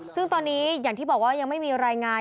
ซึ่งตอนนี้อย่างที่บอกว่ายังไม่มีรายงาน